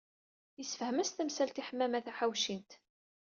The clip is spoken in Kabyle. Yessefhem-as tamsalt i Ḥemmama Taḥawcint.